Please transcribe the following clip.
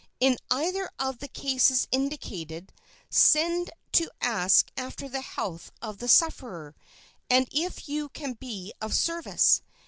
In either of the cases indicated, send to ask after the health of the sufferer, and if you can be of service.